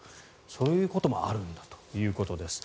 そういうこともあるんだということです。